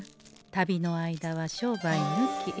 旅の間は商売ぬき。